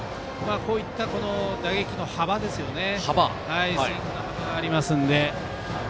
こういった打撃の幅スイングの幅がありますので。